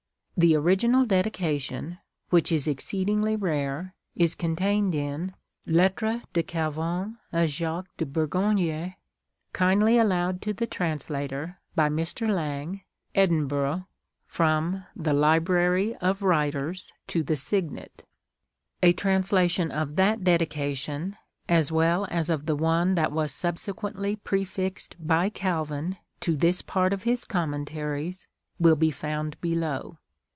The original Dedication, which is exceedingly rare, is contained in " Lettres de Calvin a Jaque de Bourgogne," kindly allowed to the Translator by Mr. Laing, Edinburgh, from the Library of Writers to the ^ Mackenzie's Life of Calvin, p. 63. X TBANSLATOR S PKEFACE. Signet. A translation of that Dedication, as well as of the one that was subsequently prefixed by Calvin to this part of his Commentaries, will be found below.